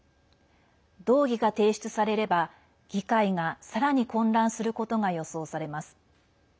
動議が提出されれば、議会がさらに混乱することが予想されます。